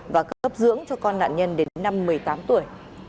và cấp dưỡng cho con nạn nhân đến năm một mươi tám tuổi